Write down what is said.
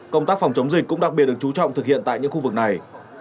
công tác phòng chống dịch cũng đặc biệt được chú trọng thực hiện tại những khu vực này